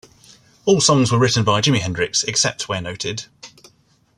All songs were written by Jimi Hendrix, except where noted.